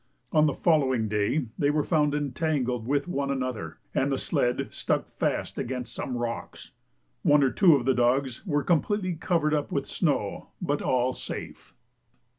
On the following day they were found entangled with one another, and the sled stuck fast against some rocks. One or two of the dogs were completely covered up with snow, but all safe.